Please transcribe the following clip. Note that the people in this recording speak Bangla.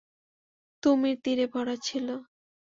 তুমীর তীরে ভরা ছিল।